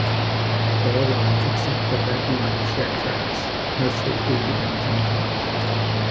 All lines except the Red Line share tracks, mostly through the downtown tunnels.